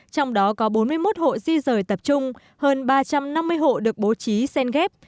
trong đó có bốn mươi một hộ di rời tập trung hơn ba trăm năm mươi hộ được bố trí sen ghép